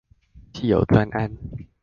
既有專案